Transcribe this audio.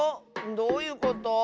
どういうこと？